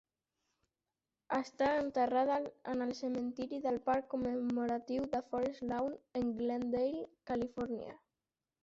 Està enterrada en el cementiri del parc commemoratiu de Forest Lawn en Glendale, Califòrnia.